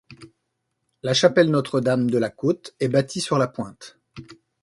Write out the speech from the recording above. La chapelle Notre-Dame-de-la-Côte est bâtie sur la pointe.